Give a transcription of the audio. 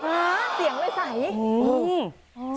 เสียงเลยใส